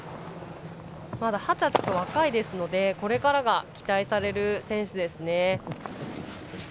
まだ二十歳と若いですのでこれからが期待される選手ですね。